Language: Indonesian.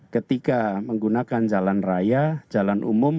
ketika menggunakan jalan raya jalan umum